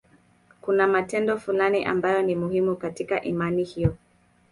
Kuna matendo fulani ambayo ni muhimu katika imani hiyo.